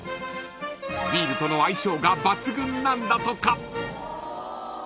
ビールとの相性が抜群なんだとか。